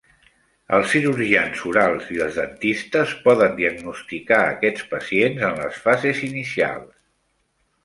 Els cirurgians orals i els dentistes poden diagnosticar aquests pacients en les fases inicials.